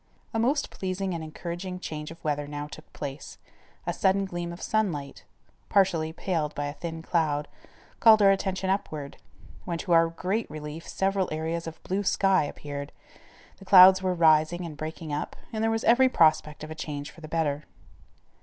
A most pleasing and encouraging change of weather now took place. A sudden gleam of sunlight, partially paled by a thin cloud, called our attention upward, when to our great relief several areas of blue sky appeared, the clouds were rising and breaking up, and there was every prospect of a change for the better.